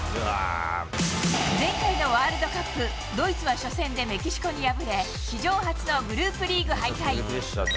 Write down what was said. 前回のワールドカップ、ドイツは初戦でメキシコに敗れ、史上初のグループリーグ敗退。